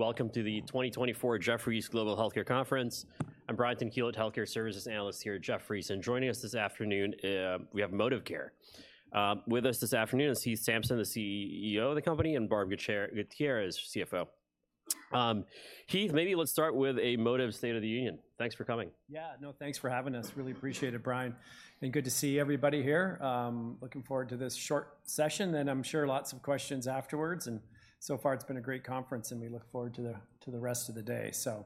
Welcome to the 2024 Jefferies Global Healthcare Conference. I'm Brian Tanquilut, healthcare services analyst here at Jefferies, and joining us this afternoon, we have Modivcare. With us this afternoon is Heath Sampson, the CEO of the company, and Barbara Gutierrez, CFO. Heath, maybe let's start with a Modivcare state of the union. Thanks for coming. Yeah. No, thanks for having us. Really appreciate it, Brian, and good to see everybody here. Looking forward to this short session, and I'm sure lots of questions afterwards, and so far it's been a great conference, and we look forward to the rest of the day. So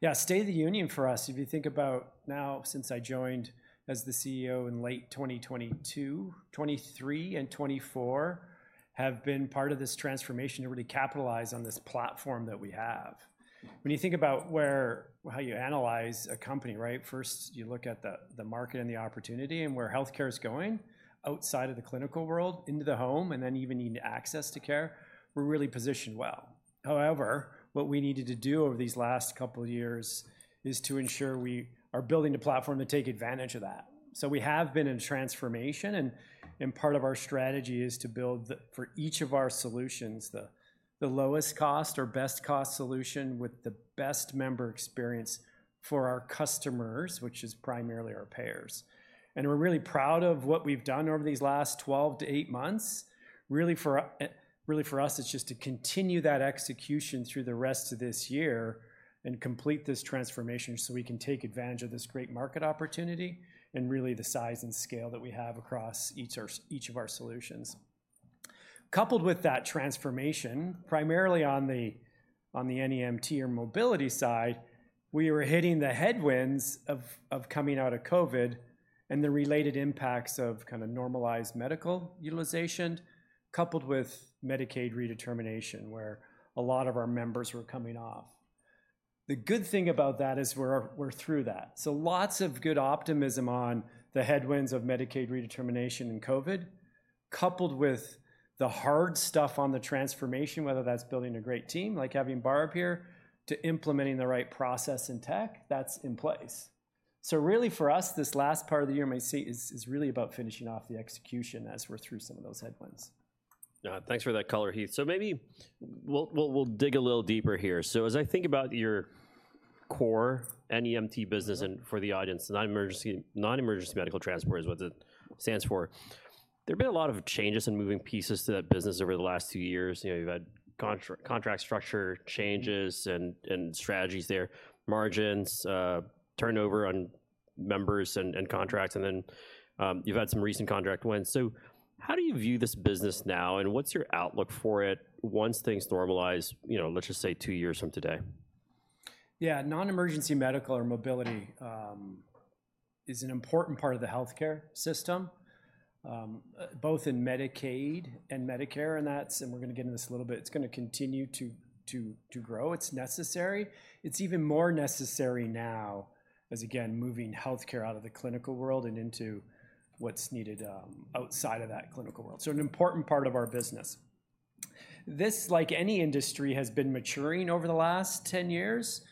yeah, state of the union for us, if you think about now since I joined as the CEO in late 2022, 2023 and 2024 have been part of this transformation to really capitalize on this platform that we have. When you think about where, how you analyze a company, right, first, you look at the market and the opportunity and where healthcare is going, outside of the clinical world into the home, and then even into access to care, we're really positioned well. However, what we needed to do over these last couple of years is to ensure we are building a platform to take advantage of that. So we have been in transformation, and part of our strategy is to build, for each of our solutions, the lowest cost or best cost solution with the best member experience for our customers, which is primarily our payers. And we're really proud of what we've done over these last 12-8 months. Really for us, it's just to continue that execution through the rest of this year and complete this transformation so we can take advantage of this great market opportunity and really the size and scale that we have across each of our solutions. Coupled with that transformation, primarily on the NEMT or mobility side, we were hitting the headwinds of coming out of COVID and the related impacts of kinda normalized medical utilization, coupled with Medicaid redetermination, where a lot of our members were coming off. The good thing about that is we're through that. So lots of good optimism on the headwinds of Medicaid redetermination and COVID, coupled with the hard stuff on the transformation, whether that's building a great team, like having Barb here, to implementing the right process in tech, that's in place. So really for us, this last part of the year may see--is, is really about finishing off the execution as we're through some of those headwinds. Thanks for that color, Heath. So maybe we'll dig a little deeper here. So as I think about your core NEMT business, and for the audience, non-emergency medical transport is what it stands for, there have been a lot of changes and moving pieces to that business over the last two years. You know, you've had contract structure changes and strategies there, margins, turnover on members and contracts, and then, you've had some recent contract wins. So how do you view this business now, and what's your outlook for it once things normalize, you know, let's just say, two years from today? Yeah, non-emergency medical or mobility is an important part of the healthcare system, both in Medicaid and Medicare, and we're gonna get into this a little bit. It's gonna continue to grow. It's necessary. It's even more necessary now as, again, moving healthcare out of the clinical world and into what's needed outside of that clinical world, so an important part of our business. This, like any industry, has been maturing over the last 10 years,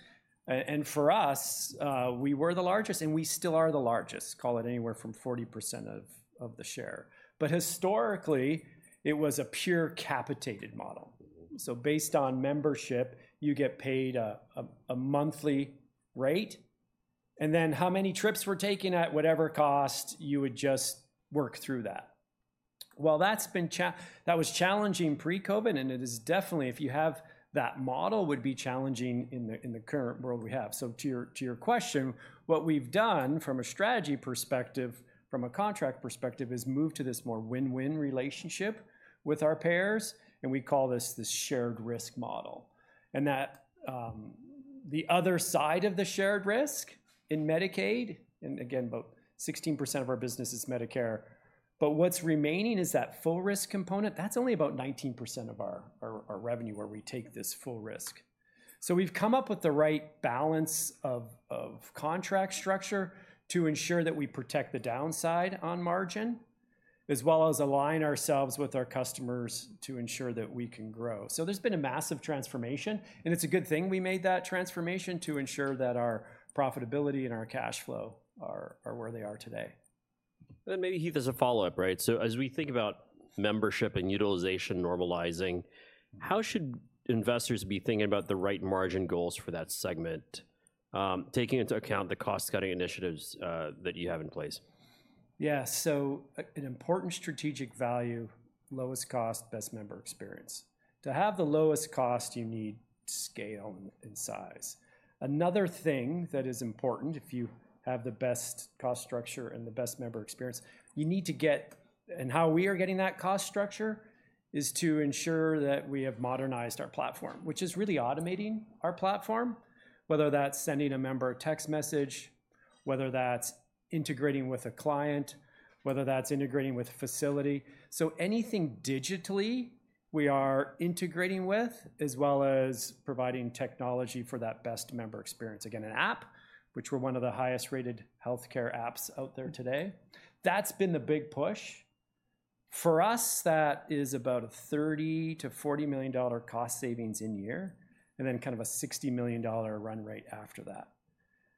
and for us, we were the largest, and we still are the largest, call it anywhere from 40% of the share. But historically, it was a pure capitated model. So based on membership, you get paid a monthly rate, and then how many trips were taken at whatever cost, you would just work through that. Well, that was challenging pre-COVID, and it is definitely, if you have that model, would be challenging in the current world we have. So to your, to your question, what we've done from a strategy perspective, from a contract perspective, is move to this more win-win relationship with our payers, and we call this the shared risk model. And that, the other side of the shared Risk in Medicaid, and again, about 16% of our business is Medicare, but what's remaining is that full risk component, that's only about 19% of our revenue where we take this full risk. So we've come up with the right balance of contract structure to ensure that we protect the downside on margin, as well as align ourselves with our customers to ensure that we can grow. There's been a massive transformation, and it's a good thing we made that transformation to ensure that our profitability and our cash flow are where they are today. Then maybe, Heath, as a follow-up, right, so as we think about membership and utilization normalizing, how should investors be thinking about the right margin goals for that segment, taking into account the cost-cutting initiatives, that you have in place? Yeah, so an important strategic value, lowest cost, best member experience. To have the lowest cost, you need scale and size. Another thing that is important, if you have the best cost structure and the best member experience, you need to get... And how we are getting that cost structure is to ensure that we have modernized our platform, which is really automating our platform, whether that's sending a member a text message, whether that's integrating with a client, whether that's integrating with a facility. So anything digitally, we are integrating with, as well as providing technology for that best member experience. Again, an app, which we're one of the highest-rated healthcare apps out there today. That's been the big push. For us, that is about a $30-$40 million cost savings in year, and then kind of a $60 million run rate after that.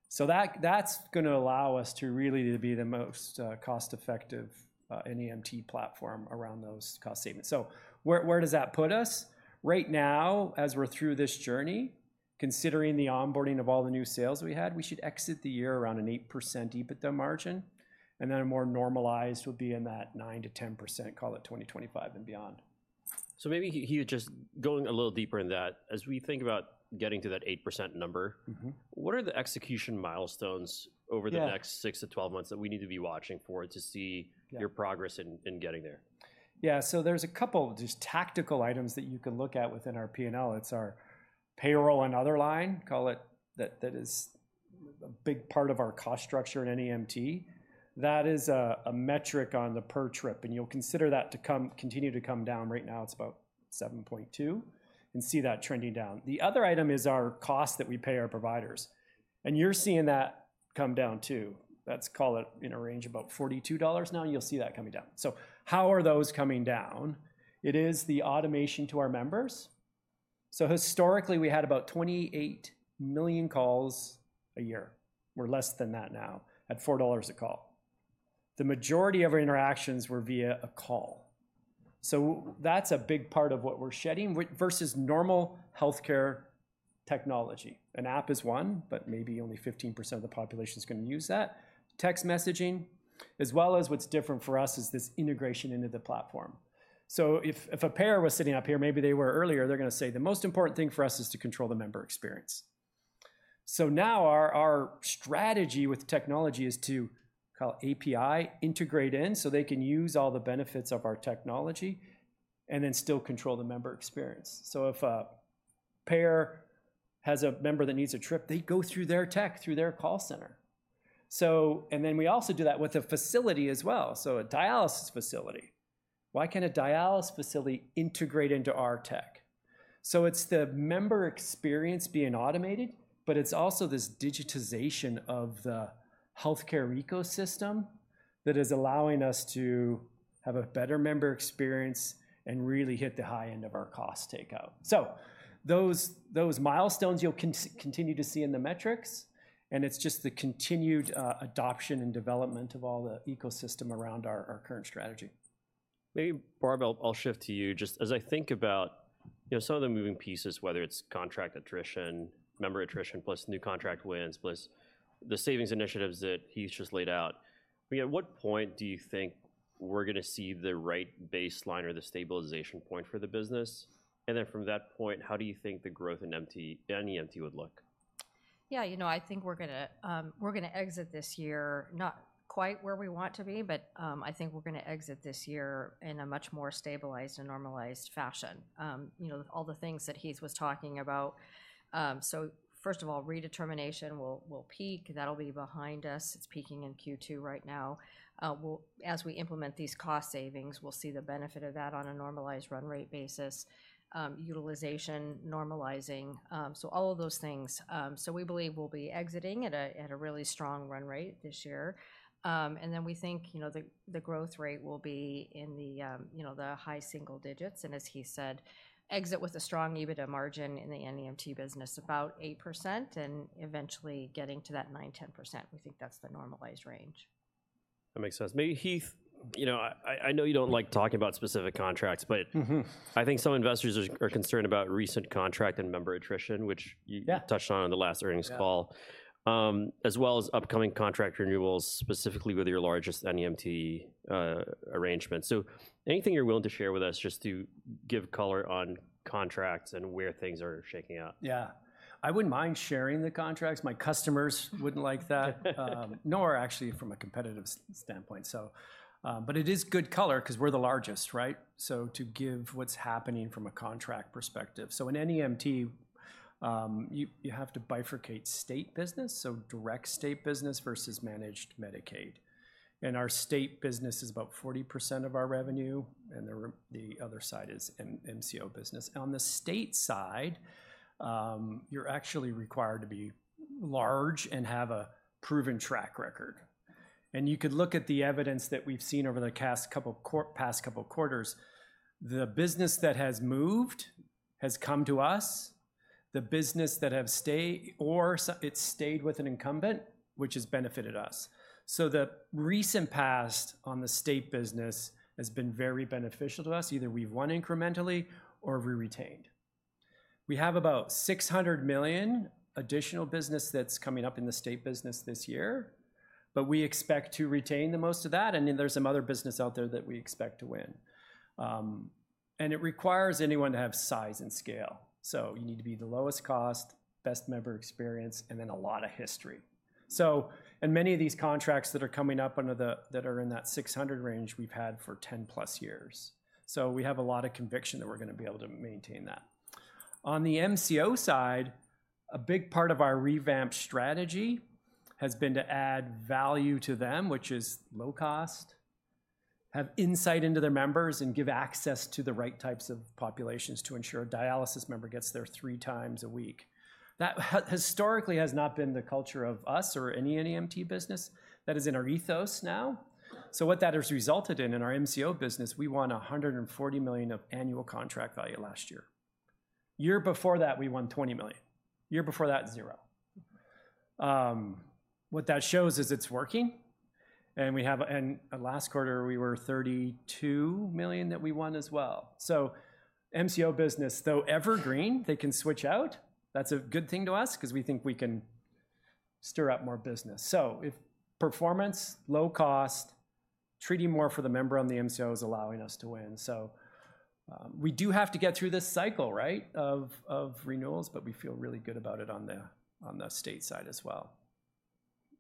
So that, that's gonna allow us to really to be the most cost-effective NEMT platform around those cost statements. So where does that put us? Right now, as we're through this journey, considering the onboarding of all the new sales we had, we should exit the year around an 8% EBITDA margin, and then a more normalized will be in that 9%-10%, call it 2025 and beyond. So maybe Heath, just going a little deeper in that, as we think about getting to that 8% number- Mm-hmm. What are the execution milestones over the- Yeah... next 6-12 months that we need to be watching for to see- Yeah your progress in getting there? Yeah, so there's a couple just tactical items that you can look at within our P&L. It's our payroll and other line, call it, that is a big part of our cost structure in NEMT. That is a metric on the per trip, and you'll consider that to continue to come down. Right now, it's about 7.2, and see that trending down. The other item is our cost that we pay our providers, and you're seeing that come down, too. Let's call it in a range of about $42 now, and you'll see that coming down. So how are those coming down? It is the automation to our members. So historically, we had about 28 million calls a year, we're less than that now, at $4 a call. The majority of our interactions were via a call, so that's a big part of what we're shedding versus normal healthcare technology. An app is one, but maybe only 15% of the population is gonna use that. Text messaging, as well as what's different for us, is this integration into the platform. So if a payer was sitting up here, maybe they were earlier, they're gonna say, "The most important thing for us is to control the member experience." So now our strategy with technology is to call API, integrate in, so they can use all the benefits of our technology and then still control the member experience. So if a payer has a member that needs a trip, they go through their tech, through their call center. So, and then we also do that with a facility as well. So a dialysis facility, why can't a dialysis facility integrate into our tech? So it's the member experience being automated, but it's also this digitization of the healthcare ecosystem that is allowing us to have a better member experience and really hit the high end of our cost takeout. So those, those milestones you'll continue to see in the metrics, and it's just the continued adoption and development of all the ecosystem around our, our current strategy. Maybe, Barb, I'll shift to you. Just as I think about, you know, some of the moving pieces, whether it's contract attrition, member attrition, plus new contract wins, plus the savings initiatives that Heath just laid out, I mean, at what point do you think we're gonna see the right baseline or the stabilization point for the business? And then from that point, how do you think the growth in NEMT would look? Yeah, you know, I think we're gonna, we're gonna exit this year not quite where we want to be, but, I think we're gonna exit this year in a much more stabilized and normalized fashion. You know, all the things that Heath was talking about. So first of all, redetermination will peak. That'll be behind us. It's peaking in Q2 right now. We'll—as we implement these cost savings, we'll see the benefit of that on a normalized run rate basis, utilization normalizing, so all of those things. So we believe we'll be exiting at a, at a really strong run rate this year. And then we think, you know, the, the growth rate will be in the, you know, the high single digits, and as Heath said, exit with a strong EBITDA margin in the NEMT business, about 8%, and eventually getting to that 9%-10%. We think that's the normalized range. That makes sense. Maybe Heath, you know, I know you don't like talking about specific contracts, but- Mm-hmm... I think some investors are concerned about recent contract and member attrition, which you- Yeah... touched on in the last earnings call. Yeah. As well as upcoming contract renewals, specifically with your largest NEMT arrangement. So anything you're willing to share with us, just to give color on contracts and where things are shaking out? Yeah. I wouldn't mind sharing the contracts. My customers wouldn't like that--nor actually from a competitive standpoint, so. But it is good color 'cause we're the largest, right? So to give what's happening from a contract perspective. So in NEMT, you have to bifurcate state business, so direct state business versus managed Medicaid, and our state business is about 40% of our revenue, and the other side is an MCO business. On the state side, you're actually required to be large and have a proven track record. And you could look at the evidence that we've seen over the past couple quarters. The business that has moved has come to us, the business that has stayed with an incumbent, which has benefited us. So the recent past on the state business has been very beneficial to us. Either we've won incrementally or we retained. We have about $600 million additional business that's coming up in the state business this year, but we expect to retain the most of that, and then there's some other business out there that we expect to win. And it requires anyone to have size and scale, so you need to be the lowest cost, best member experience, and then a lot of history. So, and many of these contracts that are coming up that are in that $600 million range, we've had for 10+ years. So we have a lot of conviction that we're gonna be able to maintain that. On the MCO side, a big part of our revamped strategy has been to add value to them, which is low cost, have insight into their members, and give access to the right types of populations to ensure a dialysis member gets there three times a week. That historically, has not been the culture of us or any NEMT business. That is in our ethos now. So what that has resulted in, in our MCO business, we won $140 million of annual contract value last year... Year before that, we won $20 million. Year before that, $0. What that shows is it's working, and we have and last quarter, we won $32 million as well. So MCO business, though evergreen, they can switch out. That's a good thing to us 'cause we think we can stir up more business. So, if performance, low cost, treating more for the member on the MCO is allowing us to win. So, we do have to get through this cycle, right, of renewals, but we feel really good about it on the state side as well.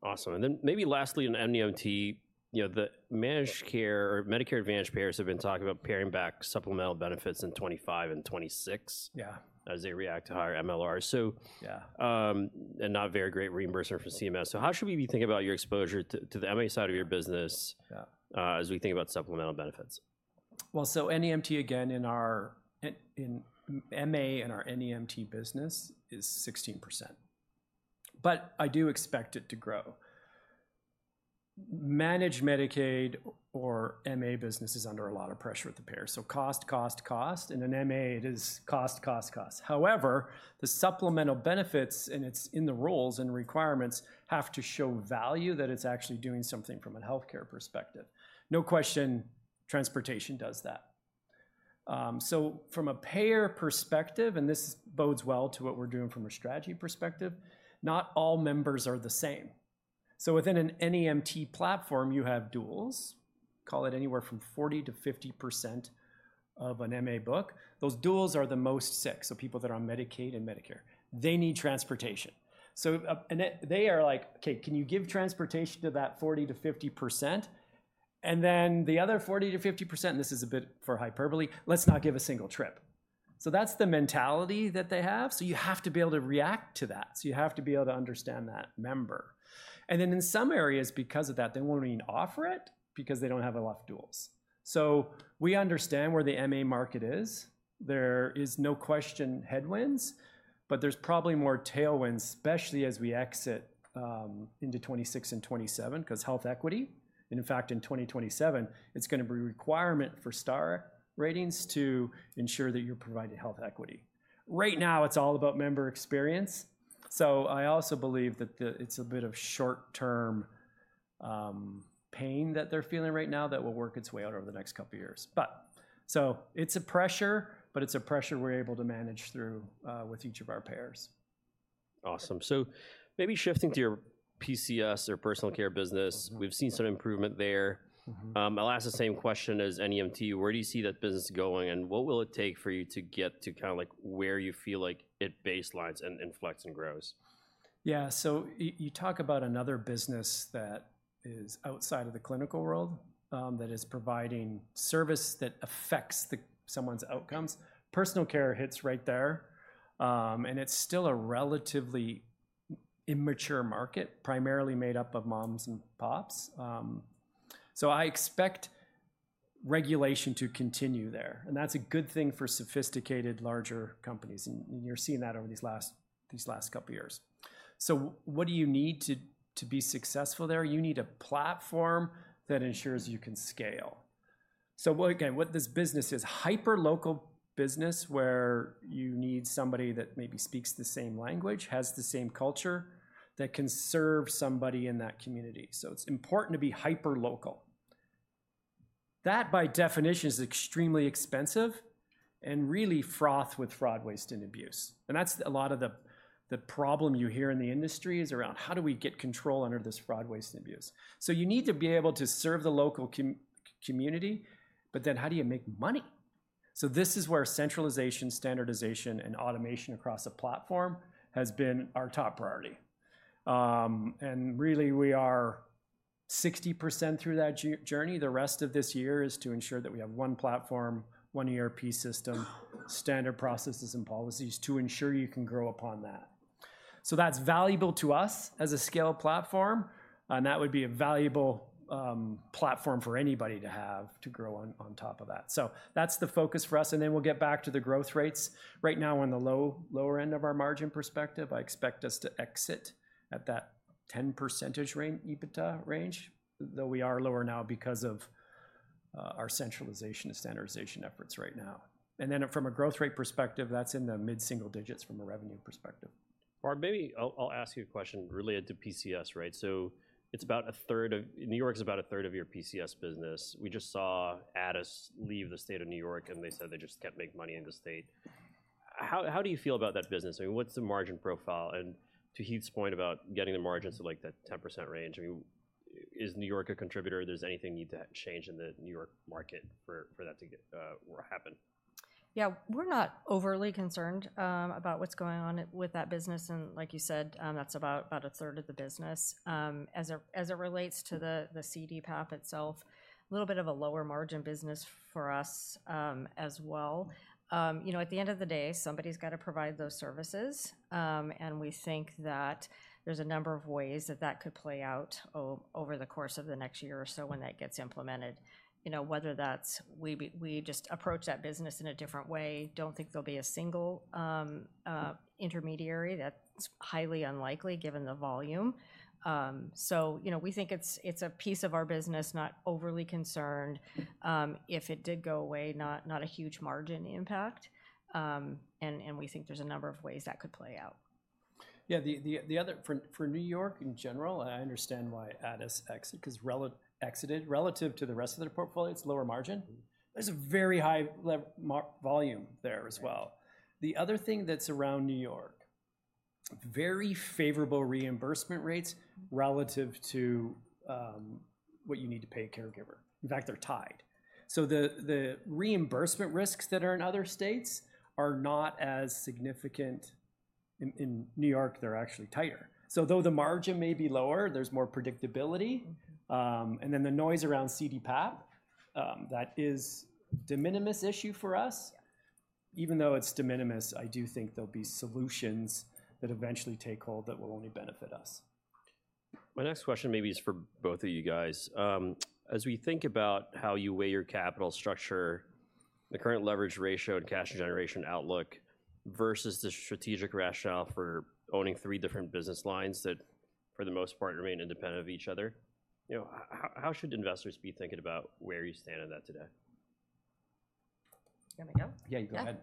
Awesome, and then maybe lastly, in NEMT, you know, the managed care or Medicare Advantage payers have been talking about paring back supplemental benefits in 2025 and 2026- Yeah as they react to higher MLRs. So- Yeah. And not very great reimbursement from CMS. So how should we be thinking about your exposure to the MA side of your business? Yeah... as we think about supplemental benefits? Well, so NEMT, again, in our MA and our NEMT business, is 16%, but I do expect it to grow. Managed Medicaid or MA business is under a lot of pressure with the payers, so cost, cost, cost, and in MA, it is cost, cost, cost. However, the supplemental benefits, and it's in the rules and requirements, have to show value that it's actually doing something from a healthcare perspective. No question, transportation does that. So from a payer perspective, and this bodes well to what we're doing from a strategy perspective, not all members are the same. So within an NEMT platform, you have duals, call it anywhere from 40%-50% of an MA book. Those duals are the most sick, so people that are on Medicaid and Medicare. They need transportation. So, and they, they are like: "Okay, can you give transportation to that 40%-50%? And then the other 40%-50%," this is a bit for hyperbole, "let's not give a single trip." So that's the mentality that they have. So you have to be able to react to that, so you have to be able to understand that member. And then in some areas, because of that, they won't even offer it because they don't have enough duals. So we understand where the MA market is. There is no question headwinds, but there's probably more tailwinds, especially as we exit into 2026 and 2027, 'cause health equity, and in fact, in 2027, it's gonna be a requirement for star ratings to ensure that you're providing health equity. Right now, it's all about member experience, so I also believe that it's a bit of short-term pain that they're feeling right now that will work its way out over the next couple of years. But so it's a pressure, but it's a pressure we're able to manage through with each of our payers. Awesome. So maybe shifting to your PCS or personal care business- Mm-hmm. We've seen some improvement there. Mm-hmm. I'll ask the same question as NEMT: where do you see that business going, and what will it take for you to get to kinda like where you feel like it baselines and, and flex and grows? Yeah. So you talk about another business that is outside of the clinical world, that is providing service that affects the... someone's outcomes. Personal care hits right there, and it's still a relatively immature market, primarily made up of moms and pops. So I expect regulation to continue there, and that's a good thing for sophisticated, larger companies, and you're seeing that over these last, these last couple years. So what do you need to be successful there? You need a platform that ensures you can scale. So well, again, what this business is, hyper-local business, where you need somebody that maybe speaks the same language, has the same culture, that can serve somebody in that community. So it's important to be hyper-local. That, by definition, is extremely expensive and really fraught with fraud, waste, and abuse, and that's a lot of the problem you hear in the industry is around, how do we get control under this fraud, waste, and abuse? So you need to be able to serve the local community, but then how do you make money? So this is where centralization, standardization, and automation across a platform has been our top priority. Really, we are 60% through that journey. The rest of this year is to ensure that we have one platform, one ERP system, standard processes and policies to ensure you can grow upon that. So that's valuable to us as a scale platform, and that would be a valuable platform for anybody to have to grow on top of that. So that's the focus for us, and then we'll get back to the growth rates. Right now, we're on the low, lower end of our margin perspective. I expect us to exit at that 10% range, EBITDA range, though we are lower now because of our centralization and standardization efforts right now. And then from a growth rate perspective, that's in the mid-single digits from a revenue perspective. Barb, maybe I'll ask you a question related to PCS, right? So it's about a third of... New York is about a third of your PCS business. We just saw Addus leave the state of New York, and they said they just can't make money in the state. How do you feel about that business? I mean, what's the margin profile? And to Heath's point about getting the margins to, like, that 10% range, I mean, is New York a contributor? Does anything need to change in the New York market for that to get or happen? Yeah, we're not overly concerned about what's going on with that business. And like you said, that's about a third of the business. As it relates to the CDPAP itself, a little bit of a lower margin business for us, as well. You know, at the end of the day, somebody's got to provide those services, and we think that there's a number of ways that that could play out over the course of the next year or so when that gets implemented. You know, whether that's we just approach that business in a different way, don't think there'll be a single intermediary. That's highly unlikely, given the volume. So you know, we think it's a piece of our business, not overly concerned. If it did go away, not a huge margin impact, and we think there's a number of ways that could play out.... Yeah, the other for New York in general, I understand why Addus exited, 'cause relative to the rest of their portfolio, it's lower margin. There's a very high volume there as well. Right. The other thing that's around New York, very favorable reimbursement rates relative to what you need to pay a caregiver. In fact, they're tied. So the reimbursement risks that are in other states are not as significant. In New York, they're actually tighter. So though the margin may be lower, there's more predictability. Mm-hmm. And then the noise around CDPAP, that is de minimis issue for us. Yeah. Even though it's de minimis, I do think there'll be solutions that eventually take hold that will only benefit us. My next question maybe is for both of you guys. As we think about how you weigh your capital structure, the current leverage ratio and cash generation outlook versus the strategic rationale for owning three different business lines that, for the most part, remain independent of each other, you know, how should investors be thinking about where you stand on that today? You want me to go? Yeah, you go ahead.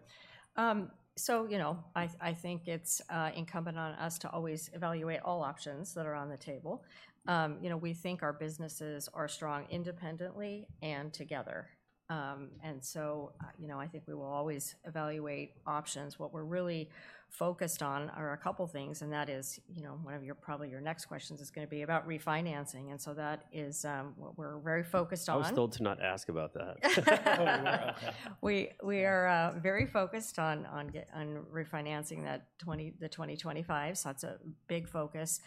Yeah. So, you know, I think it's incumbent on us to always evaluate all options that are on the table. You know, we think our businesses are strong independently and together. And so, you know, I think we will always evaluate options. What we're really focused on are a couple of things, and that is, you know, one of your, probably your next questions is gonna be about refinancing, and so that is what we're very focused on. I was told to not ask about that. We are very focused on refinancing the 2025s. That's a big focus,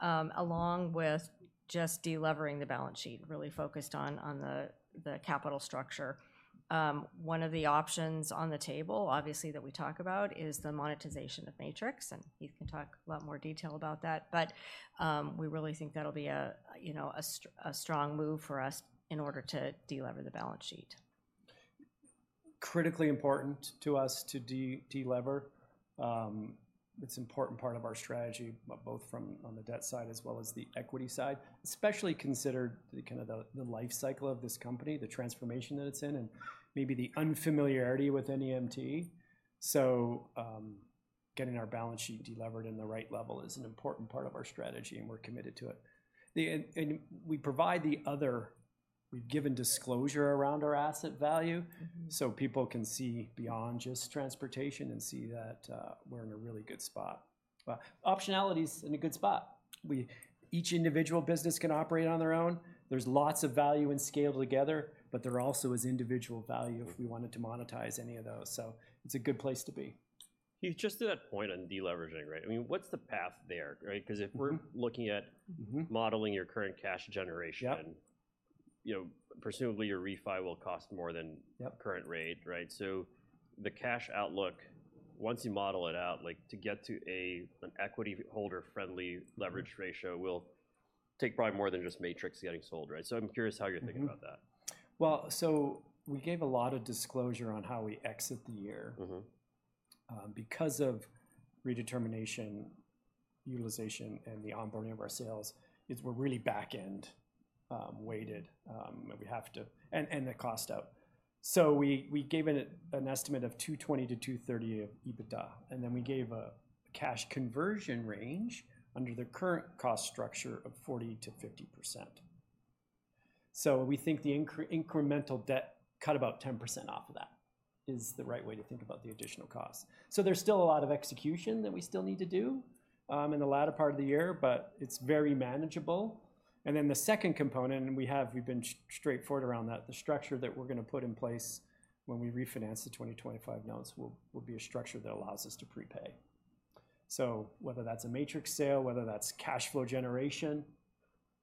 along with just delevering the balance sheet, really focused on the capital structure. One of the options on the table, obviously, that we talk about is the monetization of Matrix, and Heath can talk a lot more detail about that. But we really think that'll be a, you know, a strong move for us in order to delever the balance sheet. Critically important to us to delever. It's an important part of our strategy, both from the debt side as well as the equity side, especially considering the kind of life cycle of this company, the transformation that it's in, and maybe the unfamiliarity with NEMT. So, getting our balance sheet delevered in the right level is an important part of our strategy, and we're committed to it. And we've given disclosure around our asset value- Mm-hmm... so people can see beyond just transportation and see that we're in a really good spot. But optionality's in a good spot. We each individual business can operate on their own. There's lots of value and scale together, but there also is individual value- Mm-hmm... if we wanted to monetize any of those. So it's a good place to be. Heath, just to that point on deleveraging, right? I mean, what's the path there, right? Mm-hmm. 'Cause if we're looking at- Mm-hmm... modeling your current cash generation- Yep... you know, presumably, your refi will cost more than- Yep... current rate, right? So the cash outlook, once you model it out, like, to get to an equity holder-friendly leverage ratio, will take probably more than just Matrix getting sold, right? So I'm curious how you're thinking about that. Mm-hmm. Well, so we gave a lot of disclosure on how we exit the year. Mm-hmm. Because of redetermination, utilization, and the onboarding of our sales, it's we're really backend weighted, and we have to and the cost out. So we gave it an estimate of $220 million-$230 million of EBITDA, and then we gave a cash conversion range under the current cost structure of 40%-50%. So we think the incremental debt cut about 10% off of that is the right way to think about the additional cost. So there's still a lot of execution that we still need to do in the latter part of the year, but it's very manageable. And then the second component, we've been straightforward around that, the structure that we're gonna put in place when we refinance the 2025 notes will be a structure that allows us to prepay. So whether that's a Matrix sale, whether that's cash flow generation,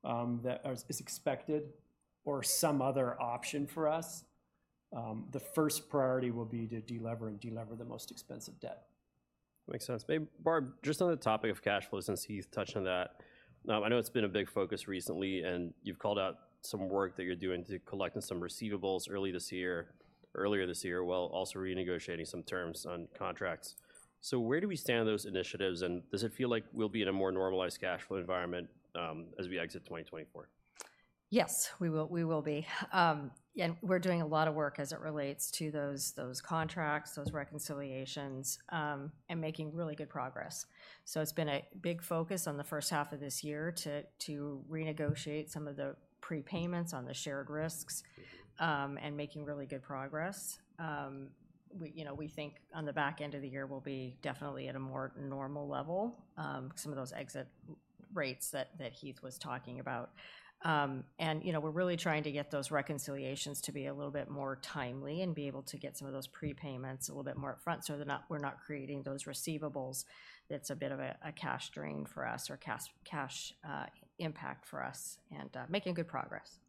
that is expected or some other option for us, the first priority will be to deleverage the most expensive debt. Makes sense. Barb, just on the topic of cash flow, since Heath touched on that, I know it's been a big focus recently, and you've called out some work that you're doing to collecting some receivables earlier this year, while also renegotiating some terms on contracts. So where do we stand on those initiatives, and does it feel like we'll be in a more normalized cash flow environment, as we exit 2024? Yes, we will, we will be. And we're doing a lot of work as it relates to those contracts, those reconciliations, and making really good progress. So it's been a big focus on the first half of this year to renegotiate some of the prepayments on the shared risks, and making really good progress. We, you know, we think on the back end of the year, we'll be definitely at a more normal level, some of those exit rates that Heath was talking about. And, you know, we're really trying to get those reconciliations to be a little bit more timely and be able to get some of those prepayments a little bit more upfront, so they're not, we're not creating those receivables. That's a bit of a cash drain for us or cash impact for us, and making good progress.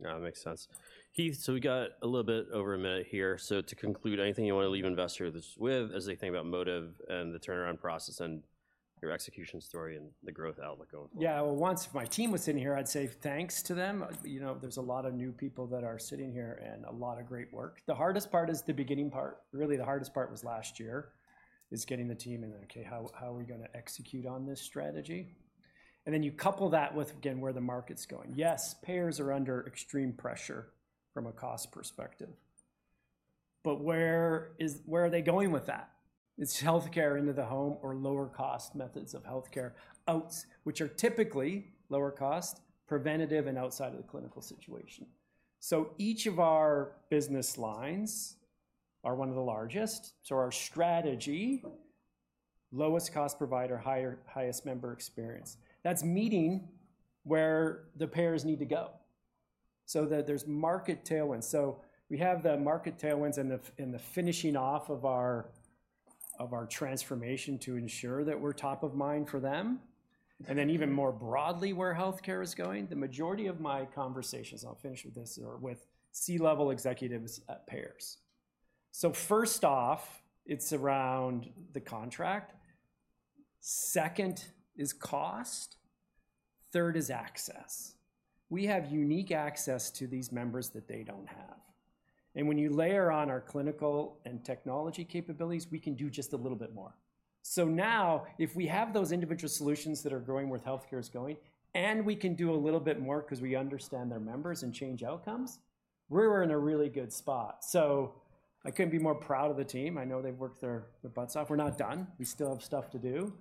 Yeah, that makes sense. Heath, so we got a little bit over a minute here. So to conclude, anything you want to leave investors with as they think about Modivcare and the turnaround process and your execution story and the growth outlook going forward? Yeah. Well, once my team was in here, I'd say thanks to them. You know, there's a lot of new people that are sitting here and a lot of great work. The hardest part is the beginning part. Really, the hardest part was last year, is getting the team in, okay, how are we gonna execute on this strategy? And then you couple that with, again, where the market's going. Yes, payers are under extreme pressure from a cost perspective, but where are they going with that? It's healthcare into the home or lower cost methods of healthcare outs, which are typically lower cost, preventative, and outside of the clinical situation. So each of our business lines are one of the largest. So our strategy, lowest cost provider, highest member experience, that's meeting where the payers need to go so that there's market tailwinds. So we have the market tailwinds and the finishing off of our transformation to ensure that we're top of mind for them, and then even more broadly, where healthcare is going. The majority of my conversations, I'll finish with this, are with C-level executives at payers. So first off, it's around the contract. Second is cost. Third is access. We have unique access to these members that they don't have, and when you layer on our clinical and technology capabilities, we can do just a little bit more. So now, if we have those individual solutions that are growing where healthcare is going, and we can do a little bit more 'cause we understand their members and change outcomes, we're in a really good spot. So I couldn't be more proud of the team. I know they've worked their butts off. We're not done. We still have stuff to do,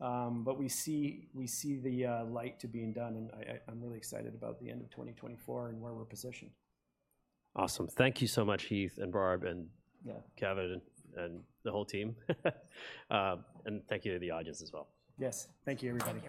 but we see the light to being done, and I'm really excited about the end of 2024 and where we're positioned. Awesome. Thank you so much, Heath, and Barb, and- Yeah... Kevin, and the whole team. Thank you to the audience as well. Yes. Thank you, everybody.